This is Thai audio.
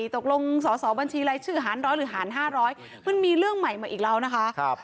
ตกลงสอสอบัญชีรายชื่อหารร้อยหรือหาร๕๐๐มันมีเรื่องใหม่มาอีกแล้วนะคะ